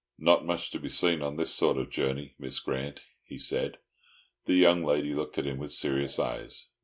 "Not much to be seen on this sort of journey, Miss Grant," he said. The young lady looked at him with serious eyes.